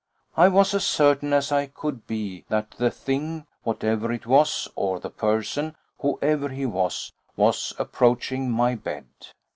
I was as certain as I could be that the thing, whatever it was, or the person, whoever he was, was approaching my bed.